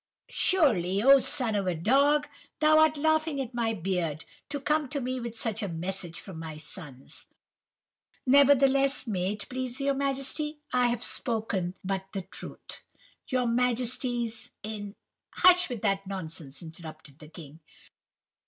"'Surely, oh son of a dog, thou art laughing at my beard, to come to me with such a message from my sons.' "'Nevertheless, may it please your Majesty, I have spoken but the truth. Your Majesty's in—' "'Hush with that nonsense,' interrupted the king.